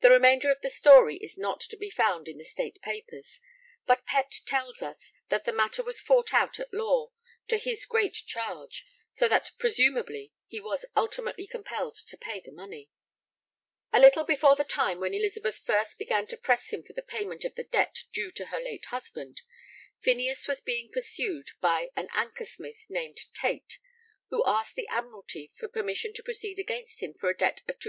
The remainder of the story is not to be found in the State Papers, but Pett tells us that the matter was fought out at law, to his 'great charge,' so that presumably he was ultimately compelled to pay the money. [Sidenote: The Destiny] A little before the time when Elizabeth first began to press him for the payment of the debt due to her late husband, Phineas was being pursued by an anchor smith named Tayte, who asked the Admiralty for permission to proceed against him for a debt of 250_l.